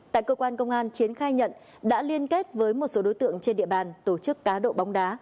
tại cơ quan công an chiến khai nhận đã liên kết với một số đối tượng trên địa bàn tổ chức cá độ bóng đá